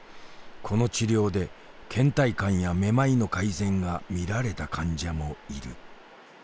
この治療でけん怠感やめまいの改善が見られた患者もいる。